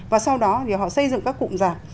và sau đó thì họ xây dựng các cụm rạp